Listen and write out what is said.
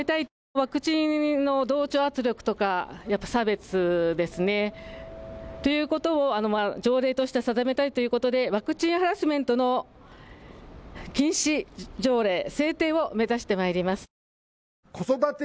ワクチンの同調圧力とか差別ですね、ということを条例として定めたいということで、ワクチンハラスメントの禁止条例制定を目指してまいります。